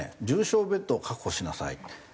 「重症用ベッドを確保しなさい」。